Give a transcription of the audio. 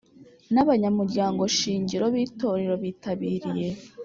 n abanyamuryango shingiro b Itorrero bitabiriye